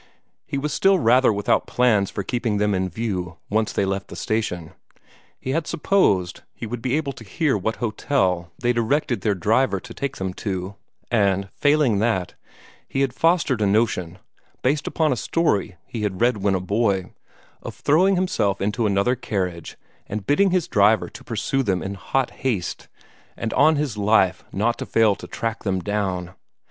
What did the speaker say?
He was still rather without plans for keeping them in view, once they left the station. He had supposed that he would be able to hear what hotel they directed their driver to take them to, and, failing that, he had fostered a notion, based upon a story he had read when a boy, of throwing himself into another carriage, and bidding his driver to pursue them in hot haste, and on his life not fail to track them down.